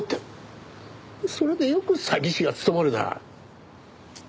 それでよく詐欺師が務まるな。